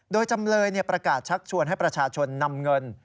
โดยจำเลยประกาศชักชวนให้ประชาชนนำเงิน